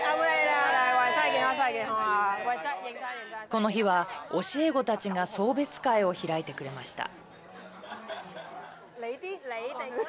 この日は教え子たちが送別会を開いてくれました。